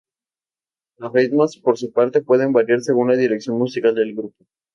Los ritmos, por su parte, pueden variar según la dirección musical del grupo.